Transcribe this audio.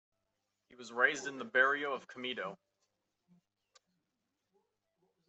He was raised in the "barrio" of Camito.